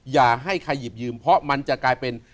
อย่าให้ใครหยิบยืมเพราะมันจะกลายเป็น